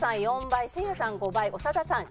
４倍せいやさん５倍長田さん